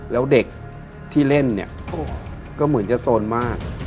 แล้วเด็กที่เล่นเนี่ยก็เหมือนจะโซนมาก